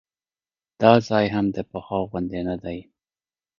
دا ځای هم د پخوا غوندې نه دی.